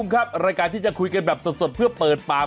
ครับรายการที่จะคุยกันแบบสดเพื่อเปิดปาก